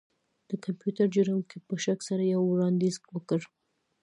د کمپیوټر جوړونکي په شک سره یو وړاندیز وکړ